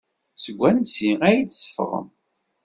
Seg wansi ay d-teffɣem?